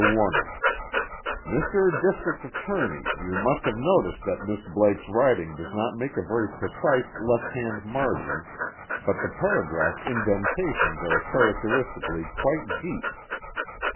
WARNER: Mr. District Attorney, you must have noticed that Miss Blake's writing does not make a very precise left hand margin, but the paragraph indentations are characteristically quite deep.